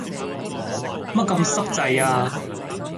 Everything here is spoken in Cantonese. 乜咁濕滯呀？